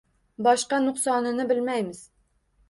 Boshqa nuqsonini bilmaymiz